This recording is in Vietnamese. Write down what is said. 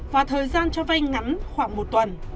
và thời gian cho vay ngắn khoảng một tuần